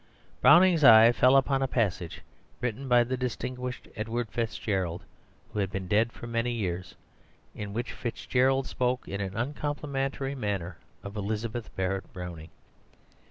Browning's eye fell upon a passage written by the distinguished Edward Fitzgerald, who had been dead for many years, in which Fitzgerald spoke in an uncomplimentary manner of Elizabeth Barrett Browning.